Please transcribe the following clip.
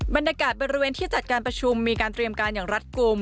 บรรยากาศบริเวณที่จัดการประชุมมีการเตรียมการอย่างรัฐกลุ่ม